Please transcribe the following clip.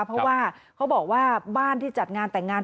เพราะว่าเขาบอกว่าบ้านที่จัดงานแต่งงาน